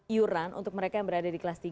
iuran untuk mereka yang berada di kelas tiga